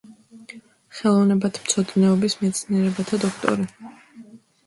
ხელოვნებათმცოდნეობის მეცნიერებათა დოქტორი.